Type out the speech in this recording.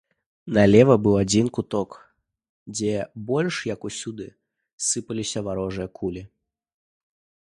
Налева быў адзін куток, дзе больш, як усюды, сыпаліся варожыя кулі.